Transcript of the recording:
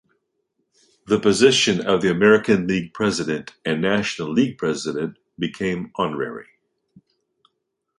The position of the American League President and National League President became honorary.